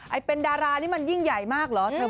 ไอเป็นดารานี่มันยิ่งใหญ่มากเหรอ